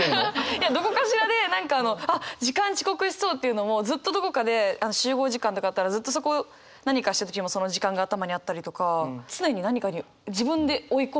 いやどこかしらで何かあのあっ時間遅刻しそうっていうのもずっとどこかで集合時間とかあったらずっとそこ何かしてる時もその時間が頭にあったりとか常に何かに自分で追い込んでる？